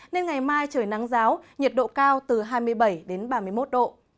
nên ngày mai trời nắng giáo nhiệt độ cao từ hai mươi bảy đến ba mươi một độ